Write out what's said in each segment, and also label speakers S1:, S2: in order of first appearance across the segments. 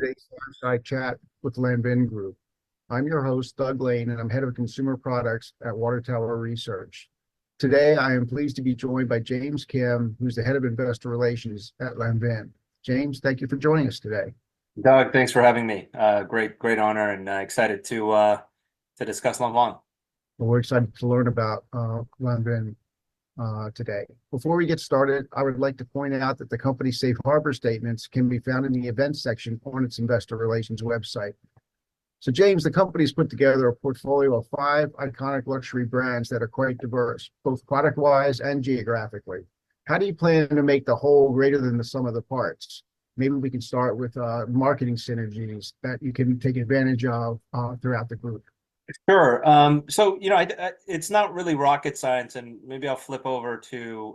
S1: Today's fireside chat with Lanvin Group. I'm your host, Doug Lane, and I'm head of consumer products at Water Tower Research. Today, I am pleased to be joined by James Kim, who's the head of investor relations at Lanvin Group. James, thank you for joining us today.
S2: Doug, thanks for having me. Great, great honor, and excited to discuss Lanvin.
S1: Well, we're excited to learn about Lanvin today. Before we get started, I would like to point out that the company's safe harbor statements can be found in the events section on its investor relations website. So, James, the company's put together a portfolio of five iconic luxury brands that are quite diverse, both product-wise and geographically. How do you plan to make the whole greater than the sum of the parts? Maybe we can start with marketing synergies that you can take advantage of throughout the group.
S2: Sure. So, you know, it's not really rocket science, and maybe I'll flip over to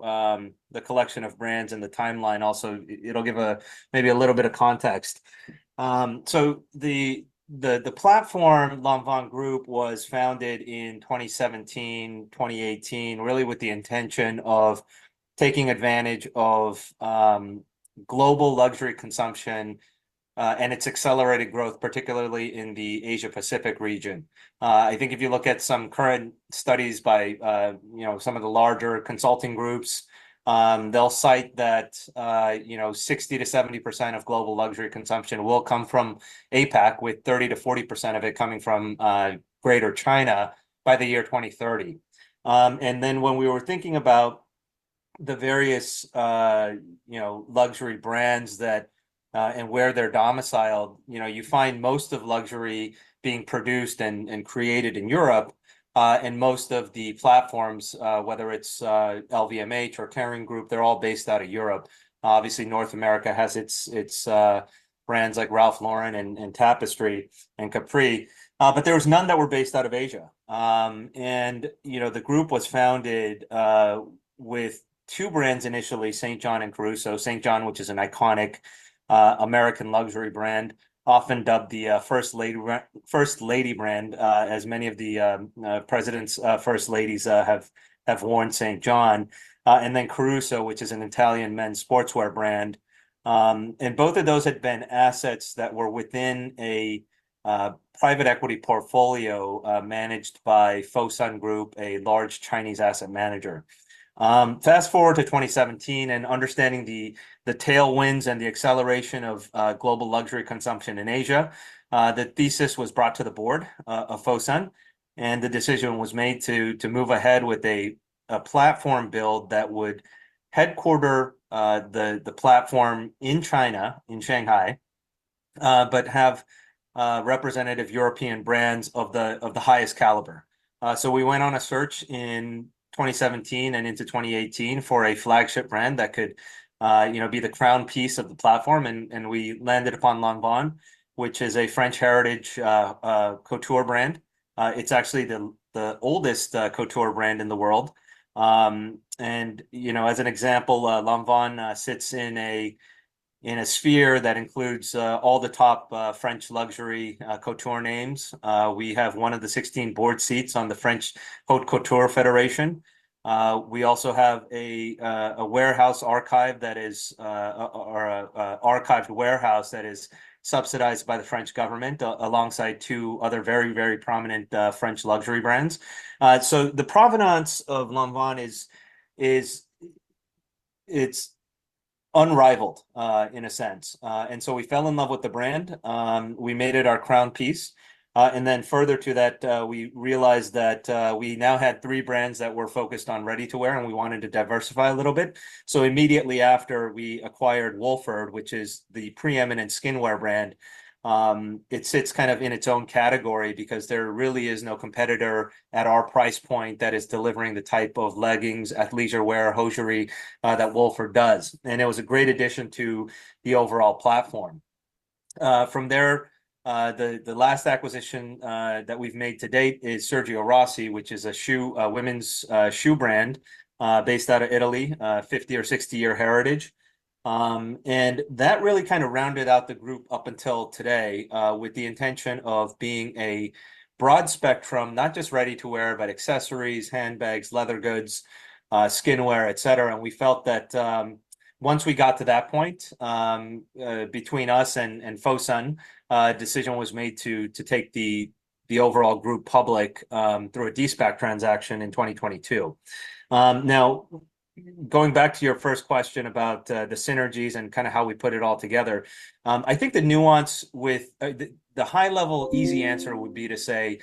S2: the collection of brands and the timeline also. It'll give maybe a little bit of context. So the platform, Lanvin Group, was founded in 2017, 2018, really with the intention of taking advantage of global luxury consumption and its accelerated growth, particularly in the Asia-Pacific region. I think if you look at some current studies by, you know, some of the larger consulting groups, they'll cite that, you know, 60%-70% of global luxury consumption will come from APAC, with 30%-40% of it coming from Greater China by the year 2030. And then when we were thinking about the various luxury brands that... And where they're domiciled, you know, you find most of luxury being produced and created in Europe. And most of the platforms, whether it's LVMH or Kering Group, they're all based out of Europe. Obviously, North America has its brands like Ralph Lauren and Tapestry and Capri, but there was none that were based out of Asia. And, you know, the group was founded with two brands, initially, St. John and Caruso. St. John, which is an iconic American luxury brand, often dubbed the First Lady brand, as many of the presidents' first ladies have worn St. John. And then Caruso, which is an Italian men's sportswear brand. And both of those had been assets that were within a private equity portfolio managed by Fosun Group, a large Chinese asset manager. Fast-forward to 2017 and understanding the tailwinds and the acceleration of global luxury consumption in Asia, the thesis was brought to the board of Fosun, and the decision was made to move ahead with a platform build that would headquarter the platform in China, in Shanghai, but have representative European brands of the highest caliber. So we went on a search in 2017 and into 2018 for a flagship brand that could, you know, be the crown piece of the platform, and we landed upon Lanvin, which is a French heritage couture brand. It's actually the oldest couture brand in the world. And you know, as an example, Lanvin sits in a sphere that includes all the top French luxury couture names. We have one of the 16 board seats on the French Haute Couture Federation. We also have a warehouse archive that is or an archived warehouse that is subsidized by the French government alongside two other very prominent French luxury brands. So the provenance of Lanvin is. It's unrivaled in a sense. And so we fell in love with the brand. We made it our crown piece. And then further to that, we realized that we now had three brands that were focused on ready-to-wear, and we wanted to diversify a little bit. So immediately after, we acquired Wolford, which is the pre-eminent skinwear brand. It sits kind of in its own category because there really is no competitor at our price point that is delivering the type of leggings, athleisure wear, hosiery, that Wolford does, and it was a great addition to the overall platform. From there, the last acquisition that we've made to date is Sergio Rossi, which is a shoe- a women's shoe brand, based out of Italy, 50- or 60-year heritage. And that really kind of rounded out the group up until today, with the intention of being a broad spectrum, not just ready-to-wear, but accessories, handbags, leather goods, skinwear, et cetera. We felt that once we got to that point between us and Fosun, a decision was made to take the overall group public through a de-SPAC transaction in 2022. Now, going back to your first question about the synergies and kind of how we put it all together, I think the nuance with the high-level easy answer would be to say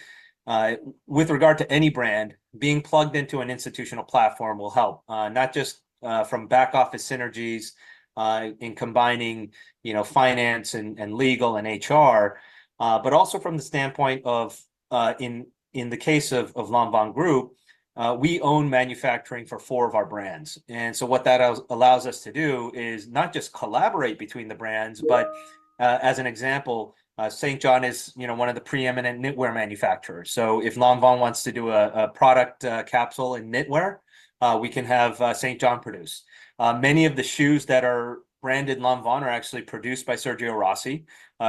S2: with regard to any brand, being plugged into an institutional platform will help, not just from back office synergies in combining, you know, finance and legal and HR, but also from the standpoint of in the case of Lanvin Group, we own manufacturing for four of our brands. And so what that allows us to do is not just collaborate between the brands, but as an example, St. John is, you know, one of the pre-eminent knitwear manufacturers. So if Lanvin wants to do a product capsule in knitwear, we can have St. John produce. Many of the shoes that are branded Lanvin are actually produced by Sergio Rossi.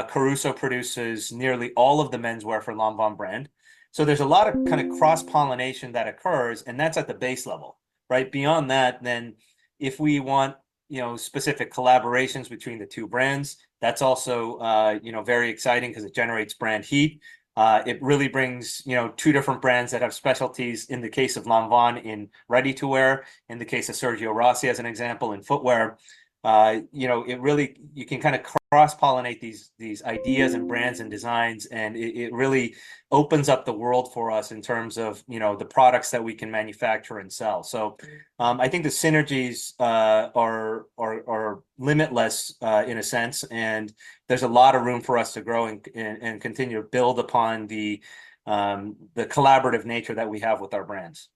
S2: Caruso produces nearly all of the menswear for Lanvin brand. So there's a lot of kind of cross-pollination that occurs, and that's at the base level.... Right? Beyond that, then if we want, you know, specific collaborations between the two brands, that's also, you know, very exciting, 'cause it generates brand heat. It really brings, you know, two different brands that have specialties, in the case of Lanvin, in ready-to-wear, in the case of Sergio Rossi, as an example, in footwear. You know, it really you can kind of cross-pollinate these ideas and brands and designs, and it really opens up the world for us in terms of, you know, the products that we can manufacture and sell. So, I think the synergies are limitless, in a sense, and there's a lot of room for us to grow and continue to build upon the collaborative nature that we have with our brands.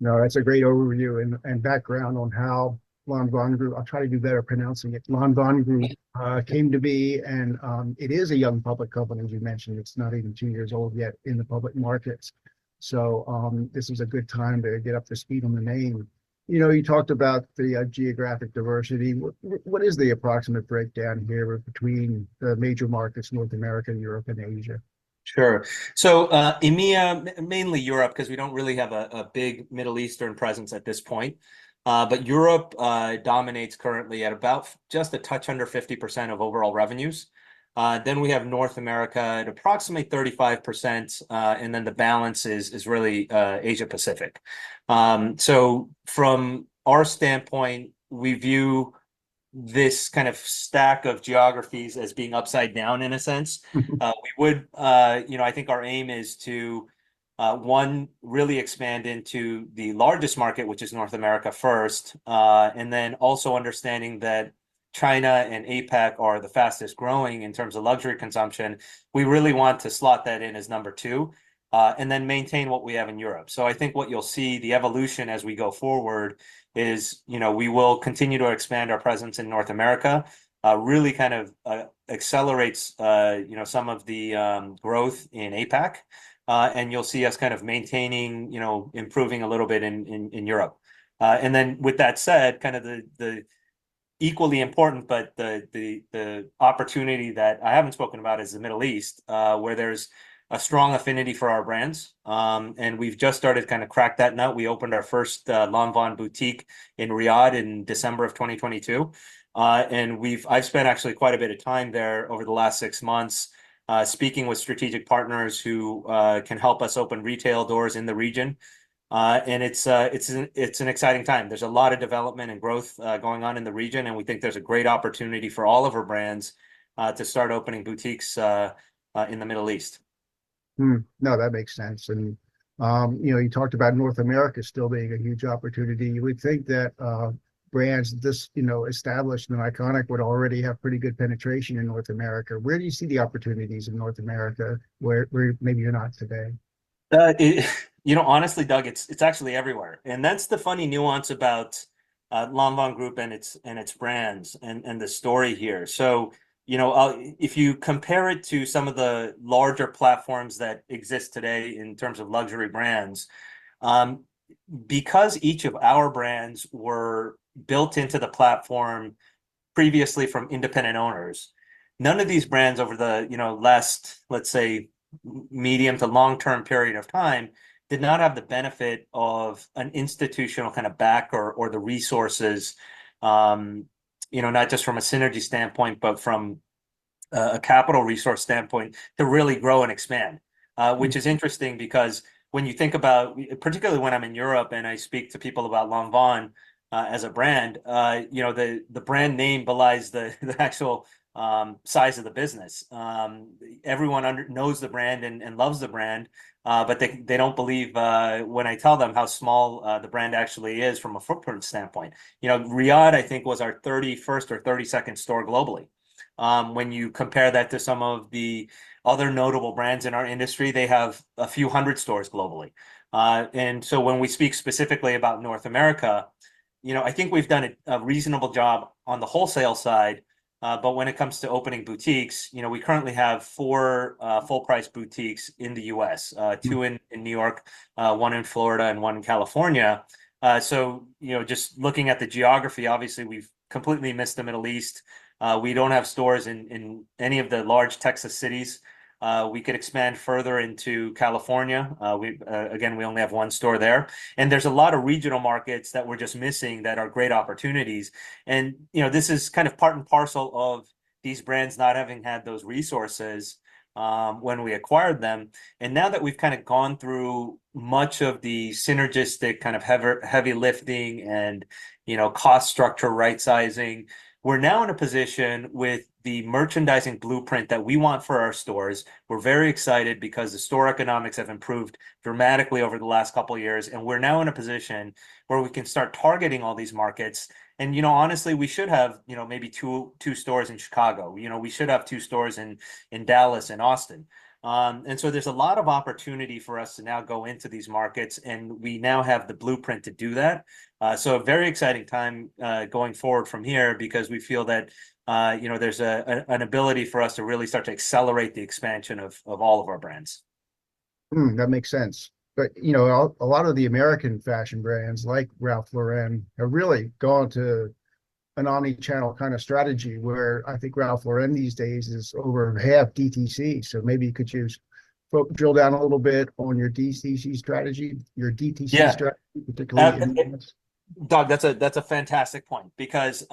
S1: No, that's a great overview and background on how Lanvin Group came to be. I'll try to do better pronouncing it, Lanvin Group. It is a young public company, as you mentioned. It's not even two years old yet in the public markets, so this is a good time to get up to speed on the name. You know, you talked about the geographic diversity. What is the approximate breakdown here between the major markets, North America and Europe and Asia?
S2: Sure. So, EMEA, mainly Europe, 'cause we don't really have a big Middle Eastern presence at this point, but Europe dominates currently at about just a touch under 50% of overall revenues. Then we have North America at approximately 35%, and then the balance is really Asia-Pacific. So from our standpoint, we view this kind of stack of geographies as being upside down, in a sense.
S1: Mm-hmm.
S2: We would, you know, I think our aim is to one, really expand into the largest market, which is North America, first, and then also understanding that China and APAC are the fastest-growing in terms of luxury consumption. We really want to slot that in as number two, and then maintain what we have in Europe. So I think what you'll see, the evolution as we go forward is, you know, we will continue to expand our presence in North America, really kind of accelerates, you know, some of the growth in APAC, and you'll see us kind of maintaining, you know, improving a little bit in Europe. And then with that said, kind of the equally important, but the opportunity that I haven't spoken about, is the Middle East, where there's a strong affinity for our brands. And we've just started to kind of crack that nut. We opened our first Lanvin boutique in Riyadh in December of 2022. And I've spent actually quite a bit of time there over the last six months, speaking with strategic partners who can help us open retail doors in the region. And it's an exciting time. There's a lot of development and growth going on in the region, and we think there's a great opportunity for all of our brands to start opening boutiques in the Middle East.
S1: Hmm. No, that makes sense. You know, you talked about North America still being a huge opportunity. You would think that brands this, you know, established and iconic would already have pretty good penetration in North America. Where do you see the opportunities in North America, where maybe you're not today?
S2: You know, honestly, Doug, it's, it's actually everywhere, and that's the funny nuance about Lanvin Group and its, and its brands, and the story here. So, you know, I'll- if you compare it to some of the larger platforms that exist today in terms of luxury brands, because each of our brands were built into the platform previously from independent owners, none of these brands over the, you know, last, let's say, medium to long-term period of time, did not have the benefit of an institutional kind of backer or the resources, you know, not just from a synergy standpoint, but from a capital resource standpoint, to really grow and expand.
S1: Mm.
S2: Which is interesting, because when you think about... Particularly when I'm in Europe and I speak to people about Lanvin, as a brand, you know, the brand name belies the actual size of the business. Everyone knows the brand and loves the brand, but they don't believe when I tell them how small the brand actually is from a footprint standpoint. You know, Riyadh, I think, was our 31st or 32nd store globally. When you compare that to some of the other notable brands in our industry, they have a few hundred stores globally. And so when we speak specifically about North America, you know, I think we've done a reasonable job on the wholesale side. But when it comes to opening boutiques, you know, we currently have four full-price boutiques in the U.S.: two in New York, one in Florida, and one in California. So you know, just looking at the geography, obviously, we've completely missed the Middle East. We don't have stores in any of the large Texas cities. We could expand further into California. We, again, we only have one store there. And, you know, this is kind of part and parcel of these brands not having had those resources when we acquired them. Now that we've kind of gone through much of the synergistic kind of heavy lifting and, you know, cost structure right-sizing, we're now in a position with the merchandising blueprint that we want for our stores. We're very excited, because the store economics have improved dramatically over the last couple of years, and we're now in a position where we can start targeting all these markets. You know, honestly, we should have, you know, maybe two stores in Chicago. You know, we should have two stores in Dallas and Austin. So there's a lot of opportunity for us to now go into these markets, and we now have the blueprint to do that. So a very exciting time going forward from here, because we feel that, you know, there's an ability for us to really start to accelerate the expansion of all of our brands.
S1: Hmm, that makes sense. But, you know, a lot of the American fashion brands, like Ralph Lauren, have really gone to an omni-channel kind of strategy, where I think Ralph Lauren these days is over half DTC, so maybe you could choose, drill down a little bit on your DTC strategy, your DTC strategy-
S2: Yeah
S1: particularly in this?
S2: Doug, that's a fantastic point, because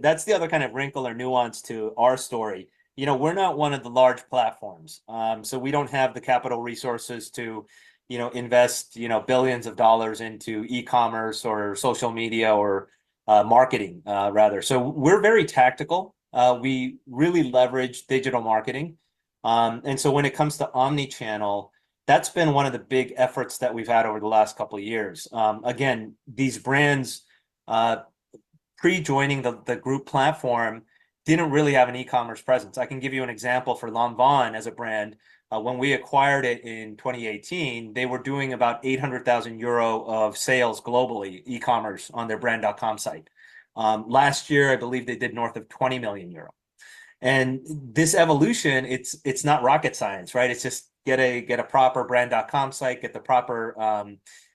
S2: that's the other kind of wrinkle or nuance to our story. You know, we're not one of the large platforms, so we don't have the capital resources to invest billions of dollars into e-commerce or social media or marketing rather. So we're very tactical. We really leverage digital marketing. And so when it comes to omni-channel, that's been one of the big efforts that we've had over the last couple of years. Again, these brands pre-joining the group platform didn't really have an e-commerce presence. I can give you an example for Lanvin as a brand. When we acquired it in 2018, they were doing about 800,000 euro of sales globally, e-commerce on their brand.com site. Last year, I believe they did north of 20 million euro. And this evolution, it's not rocket science, right? It's just get a proper brand.com site, get the proper,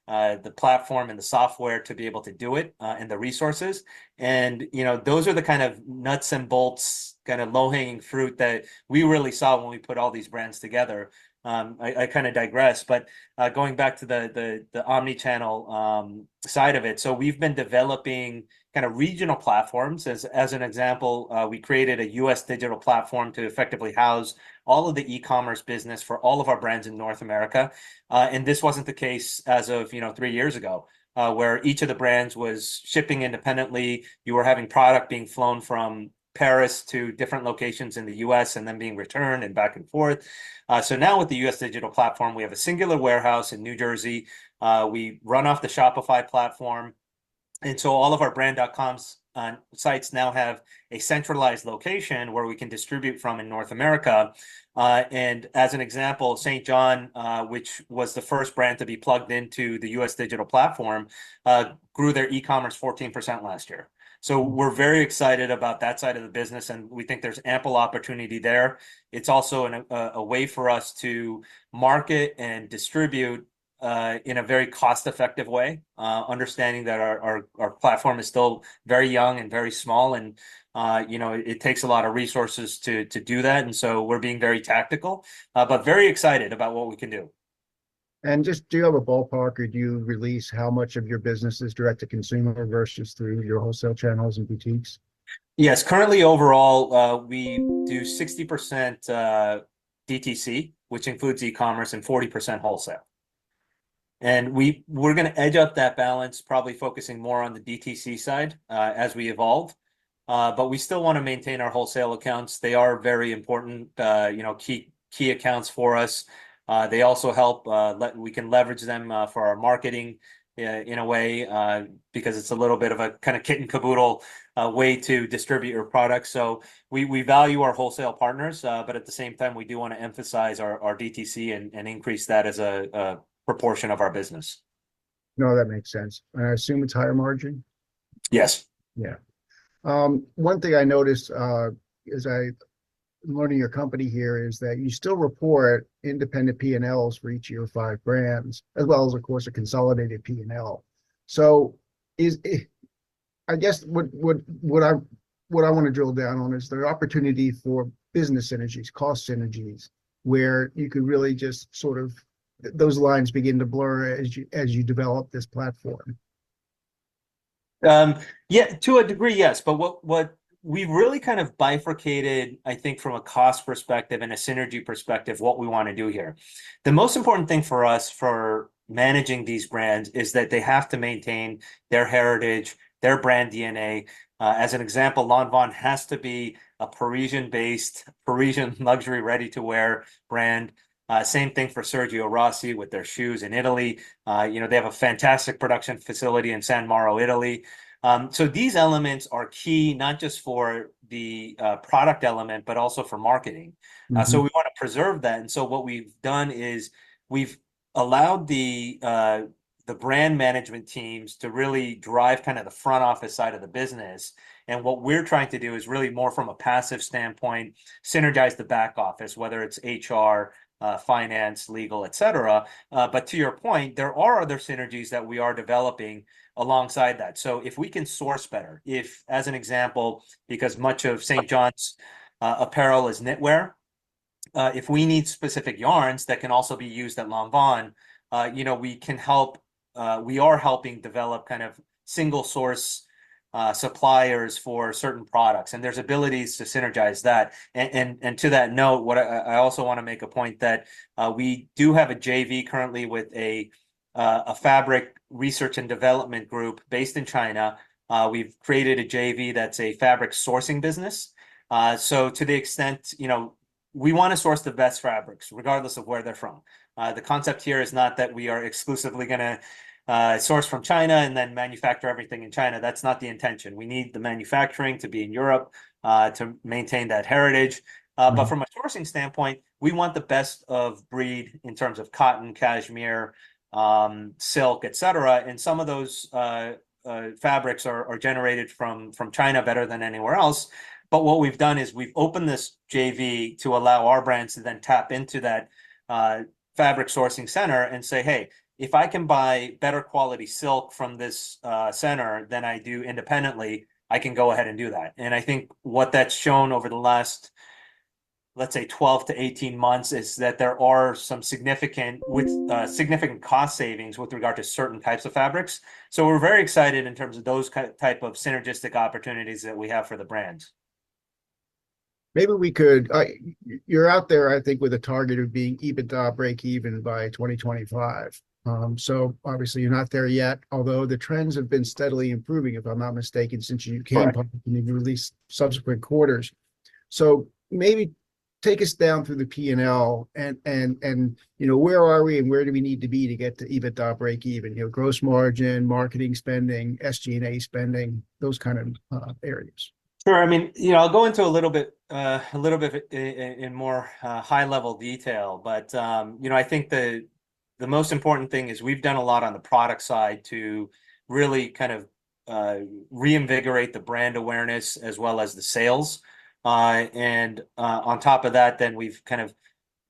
S2: the platform and the software to be able to do it, and the resources. And, you know, those are the kind of nuts and bolts, kind of low-hanging fruit that we really saw when we put all these brands together. I kind of digress, but, going back to the omni-channel side of it, so we've been developing kind of regional platforms. As an example, we created a U.S. digital platform to effectively house all of the e-commerce business for all of our brands in North America. And this wasn't the case as of, you know, three years ago, where each of the brands was shipping independently. You were having product being flown from Paris to different locations in the U.S. and then being returned and back and forth. So now with the U.S. digital platform, we have a singular warehouse in New Jersey. We run off the Shopify platform, and so all of our brand.com sites now have a centralized location where we can distribute from in North America. And as an example, St. John, which was the first brand to be plugged into the U.S. digital platform, grew their e-commerce 14% last year. So we're very excited about that side of the business, and we think there's ample opportunity there. It's also a way for us to market and distribute in a very cost-effective way, understanding that our platform is still very young and very small, and, you know, it takes a lot of resources to do that, and so we're being very tactical. But very excited about what we can do.
S1: And just, do you have a ballpark, or do you release how much of your business is direct-to-consumer versus through your wholesale channels and boutiques?
S2: Yes. Currently, overall, we do 60% DTC, which includes e-commerce and 40% wholesale. And we're gonna edge up that balance, probably focusing more on the DTC side, as we evolve. But we still want to maintain our wholesale accounts. They are very important, you know, key, key accounts for us. They also help. We can leverage them for our marketing, in a way, because it's a little bit of a kind of kit and caboodle way to distribute our products. So we value our wholesale partners, but at the same time, we do want to emphasize our DTC and increase that as a proportion of our business.
S1: No, that makes sense. I assume it's higher margin?
S2: Yes.
S1: Yeah. One thing I noticed, as I'm learning your company here, is that you still report independent P&Ls for each of your five brands, as well as, of course, a consolidated P&L. So, I guess, what I want to drill down on is there opportunity for business synergies, cost synergies, where you could really just sort of- those lines begin to blur as you develop this platform?
S2: Yeah, to a degree, yes. But what we really kind of bifurcated, I think from a cost perspective and a synergy perspective, what we want to do here. The most important thing for us, for managing these brands is that they have to maintain their heritage, their brand DNA. As an example, Lanvin has to be a Parisian-based, Parisian luxury ready-to-wear brand. Same thing for Sergio Rossi with their shoes in Italy. You know, they have a fantastic production facility in San Mauro, Italy. So these elements are key, not just for the product element, but also for marketing.
S1: Mm-hmm.
S2: So we want to preserve that, and so what we've done is we've allowed the brand management teams to really drive kind of the front office side of the business. And what we're trying to do is really more from a passive standpoint, synergize the back office, whether it's HR, finance, legal, et cetera. But to your point, there are other synergies that we are developing alongside that. So if we can source better, if, as an example, because much of St. John's apparel is knitwear, if we need specific yarns that can also be used at Lanvin, you know, we can help... we are helping develop kind of single-source suppliers for certain products, and there's abilities to synergize that. To that note, what I also want to make a point that we do have a JV currently with a fabric research and development group based in China. We've created a JV that's a fabric sourcing business. So to the extent, you know, we want to source the best fabrics, regardless of where they're from. The concept here is not that we are exclusively gonna source from China and then manufacture everything in China. That's not the intention. We need the manufacturing to be in Europe to maintain that heritage.
S1: Mm-hmm.
S2: But from a sourcing standpoint, we want the best of breed in terms of cotton, cashmere, silk, et cetera, and some of those fabrics are generated from China better than anywhere else. But what we've done is we've opened this JV to allow our brands to then tap into that fabric sourcing center and say, "Hey, if I can buy better quality silk from this center than I do independently, I can go ahead and do that." And I think what that's shown, let's say, 12-18 months, is that there are some significant cost savings with regard to certain types of fabrics. So we're very excited in terms of those type of synergistic opportunities that we have for the brands.
S1: You're out there, I think, with a target of being EBITDA breakeven by 2025. So obviously, you're not there yet, although the trends have been steadily improving, if I'm not mistaken, since you came on-
S2: Right...
S1: and you've released subsequent quarters. So maybe take us down through the P&L, and, you know, where are we, and where do we need to be to get to EBITDA breakeven? You know, gross margin, marketing spending, SG&A spending, those kind of areas.
S2: Sure. I mean, you know, I'll go into a little bit, a little bit in more high-level detail. But, you know, I think the most important thing is we've done a lot on the product side to really kind of reinvigorate the brand awareness as well as the sales. And, on top of that, then we've kind of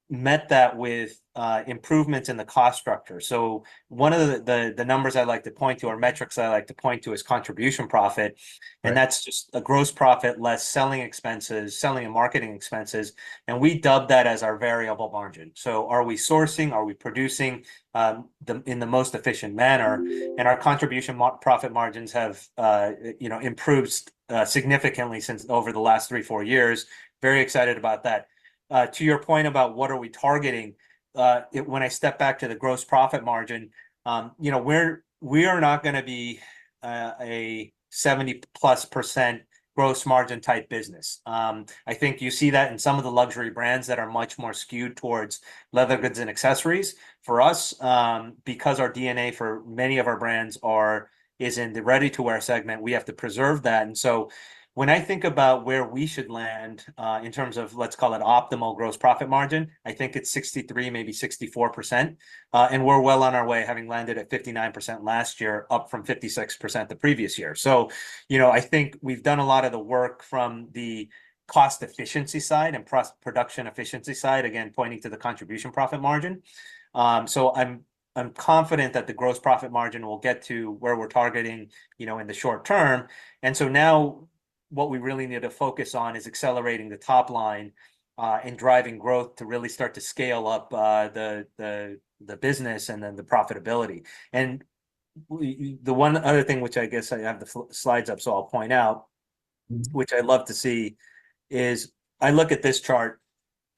S2: met that with improvements in the cost structure. So one of the numbers I like to point to, or metrics I like to point to, is Contribution profit-
S1: Right...
S2: and that's just a gross profit less selling expenses, selling and marketing expenses, and we dub that as our variable margin. So are we sourcing, are we producing, in the most efficient manner? And our contribution profit margins have, you know, improved significantly since over the last 3-4 years. Very excited about that. To your point about what are we targeting, when I step back to the gross profit margin, you know, we are not gonna be a 70+% gross margin-type business. I think you see that in some of the luxury brands that are much more skewed towards leather goods and accessories. For us, because our DNA for many of our brands is in the ready-to-wear segment, we have to preserve that. And so when I think about where we should land in terms of, let's call it optimal gross profit margin, I think it's 63%, maybe 64%. And we're well on our way, having landed at 59% last year, up from 56% the previous year. So, you know, I think we've done a lot of the work from the cost efficiency side and production efficiency side, again, pointing to the contribution profit margin. So I'm confident that the gross profit margin will get to where we're targeting, you know, in the short term. And so now what we really need to focus on is accelerating the top line and driving growth to really start to scale up the business and then the profitability. The one other thing, which I guess I have the slides up, so I'll point out, which I love to see, is I look at this chart,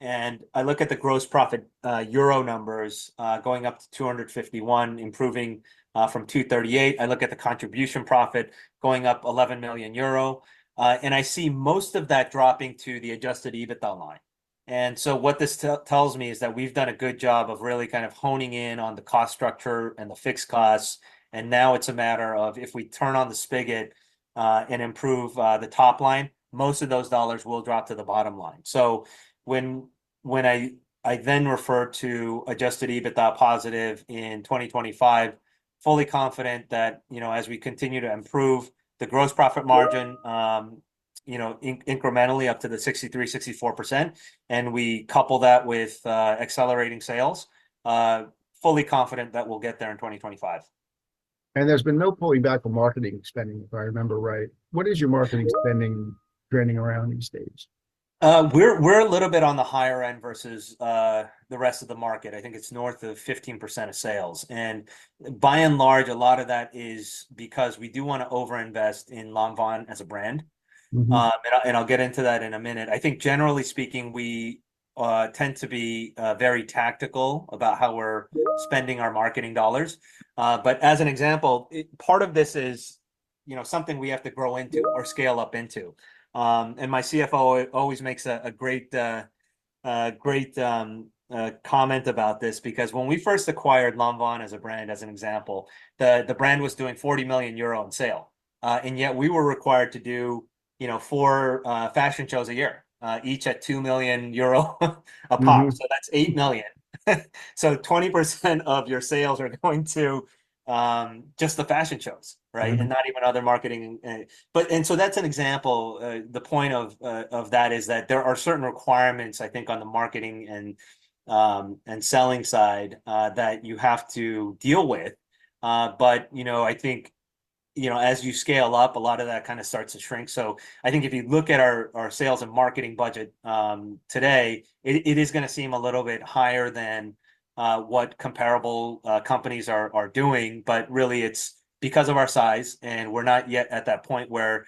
S2: and I look at the gross profit euro numbers going up to 251, improving from 238. I look at the contribution profit going up 11 million euro, and I see most of that dropping to the adjusted EBITDA line. So what this tells me is that we've done a good job of really kind of honing in on the cost structure and the fixed costs, and now it's a matter of if we turn on the spigot and improve the top line, most of those dollars will drop to the bottom line. So when I then refer to adjusted EBITDA positive in 2025, fully confident that, you know, as we continue to improve the gross profit margin, you know, incrementally up to the 63%-64%, and we couple that with accelerating sales, fully confident that we'll get there in 2025.
S1: There's been no pulling back on marketing spending, if I remember right. What is your marketing spending, trending around these days?
S2: We're a little bit on the higher end versus the rest of the market. I think it's north of 15% of sales, and by and large, a lot of that is because we do want to over-invest in Lanvin as a brand.
S1: Mm-hmm.
S2: I'll get into that in a minute. I think generally speaking, we tend to be very tactical about how we're spending our marketing dollars. But as an example, part of this is, you know, something we have to grow into or scale up into. And my CFO always makes a great comment about this because when we first acquired Lanvin as a brand, as an example, the brand was doing 40 million euro in sales. And yet, we were required to do, you know, four fashion shows a year, each at 2 million euro apiece.
S1: Mm-hmm.
S2: So that's 8 million. So 20% of your sales are going to, just the fashion shows, right?
S1: Mm-hmm.
S2: Not even other marketing. So that's an example. The point of that is that there are certain requirements, I think, on the marketing and selling side that you have to deal with. But you know, I think, you know, as you scale up, a lot of that kind of starts to shrink. So I think if you look at our sales and marketing budget today, it is gonna seem a little bit higher than what comparable companies are doing, but really, it's because of our size, and we're not yet at that point where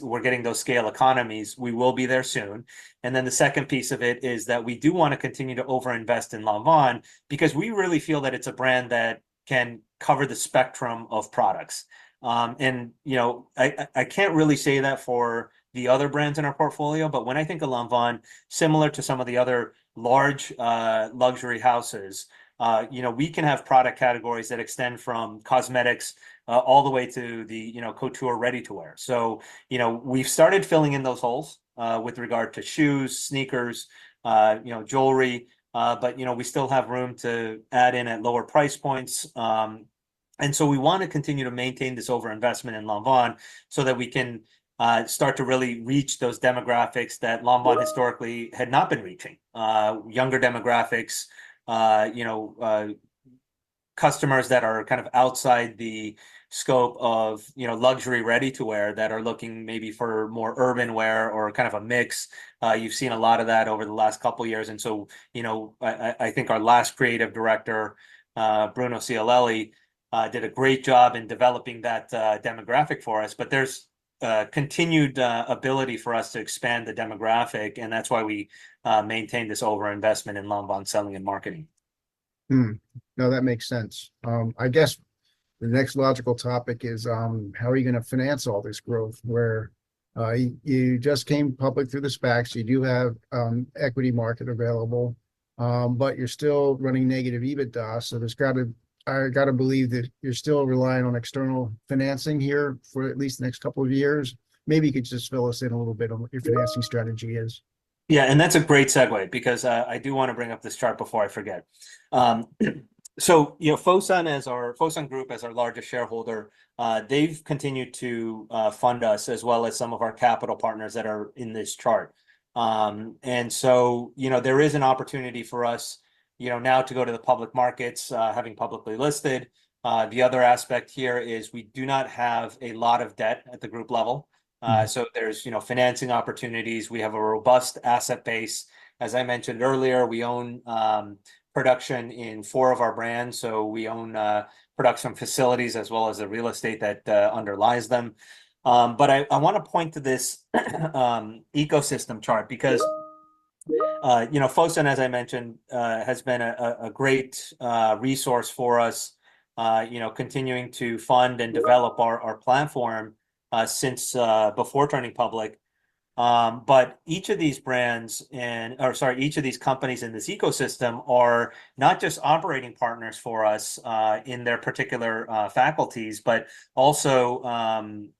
S2: we're getting those scale economies. We will be there soon. Then the second piece of it is that we do want to continue to over-invest in Lanvin because we really feel that it's a brand that can cover the spectrum of products. You know, I can't really say that for the other brands in our portfolio, but when I think of Lanvin, similar to some of the other large luxury houses, you know, we can have product categories that extend from cosmetics all the way to the, you know, couture ready-to-wear. You know, we've started filling in those holes with regard to shoes, sneakers, you know, jewelry. You know, we still have room to add in at lower price points. And so we want to continue to maintain this over-investment in Lanvin so that we can start to really reach those demographics that Lanvin historically had not been reaching. Younger demographics, you know, customers that are kind of outside the scope of, you know, luxury ready-to-wear, that are looking maybe for more urban wear or kind of a mix. You've seen a lot of that over the last couple years, and so, you know, I think our last creative director, Bruno Sialelli, did a great job in developing that demographic for us. But there's continued ability for us to expand the demographic, and that's why we maintain this over-investment in Lanvin selling and marketing.
S1: No, that makes sense. I guess the next logical topic is, how are you gonna finance all this growth, where you just came public through the SPACs, you do have equity market available, but you're still running negative EBITDA, so I gotta believe that you're still relying on external financing here for at least the next couple of years. Maybe you could just fill us in a little bit on what your financing strategy is.
S2: Yeah, and that's a great segue, because I do wanna bring up this chart before I forget. So, you know, Fosun Group as our largest shareholder, they've continued to fund us, as well as some of our capital partners that are in this chart. And so, you know, there is an opportunity for us, you know, now to go to the public markets, having publicly listed. The other aspect here is we do not have a lot of debt at the group level.
S1: Mm.
S2: So there's, you know, financing opportunities. We have a robust asset base. As I mentioned earlier, we own production in four of our brands, so we own production facilities as well as the real estate that underlies them. But I wanna point to this ecosystem chart, because, you know, Fosun, as I mentioned, has been a great resource for us, you know, continuing to fund and develop our platform since before turning public. But each of these brands and... Or sorry, each of these companies in this ecosystem are not just operating partners for us in their particular faculties, but also,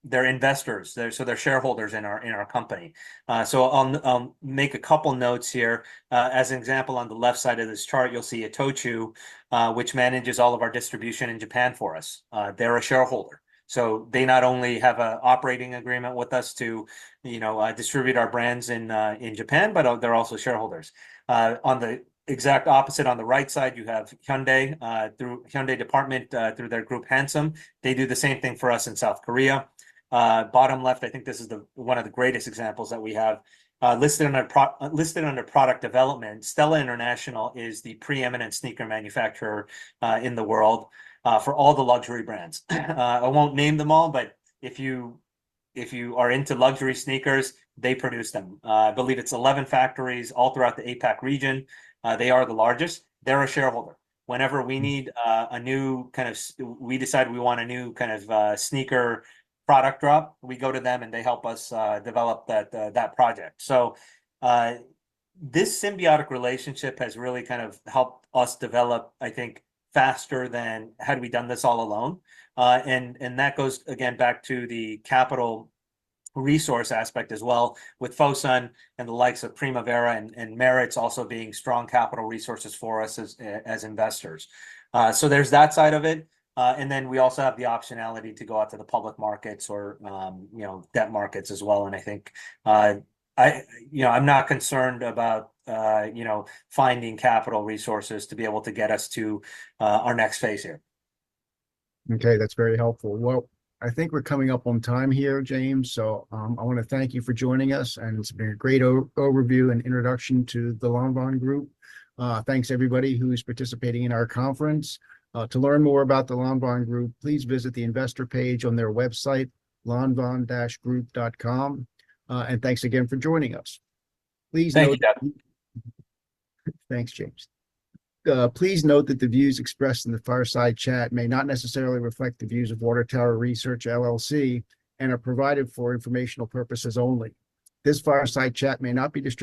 S2: they're investors. So they're shareholders in our company. So I'll make a couple notes here. As an example, on the left side of this chart, you'll see Itochu, which manages all of our distribution in Japan for us. They're a shareholder, so they not only have a operating agreement with us to, you know, distribute our brands in, in Japan, but they're also shareholders. On the exact opposite, on the right side, you have Hyundai, through Hyundai Department, through their group, Handsome. They do the same thing for us in South Korea. Bottom left, I think this is the, one of the greatest examples that we have. Listed under product development, Stella International is the pre-eminent sneaker manufacturer in the world for all the luxury brands. I won't name them all, but if you, if you are into luxury sneakers, they produce them. I believe it's 11 factories all throughout the APAC region. They are the largest. They're a shareholder. Whenever we need, we decide we want a new kind of sneaker product drop, we go to them, and they help us develop that project. So, this symbiotic relationship has really kind of helped us develop, I think, faster than had we done this all alone. And that goes again back to the capital resource aspect as well, with Fosun and the likes of Primavera and Meritz also being strong capital resources for us as investors. So there's that side of it, and then we also have the optionality to go out to the public markets or, you know, debt markets as well, and I think, I... You know, I'm not concerned about, you know, finding capital resources to be able to get us to, our next phase here.
S1: Okay, that's very helpful. Well, I think we're coming up on time here, James, so I wanna thank you for joining us, and it's been a great overview and introduction to the Lanvin Group. Thanks everybody who is participating in our conference. To learn more about the Lanvin Group, please visit the investor page on their website, lanvin-group.com. And thanks again for joining us. Please note-
S2: Thank you, Doug.
S1: Thanks, James. Please note that the views expressed in the Fireside Chat may not necessarily reflect the views of Water Tower Research LLC, and are provided for informational purposes only. This Fireside Chat may not be distri-